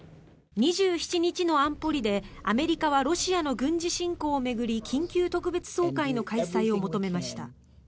２７日の安保理でアメリカはロシア軍事侵攻を巡り緊急特別総会の開催を求めました。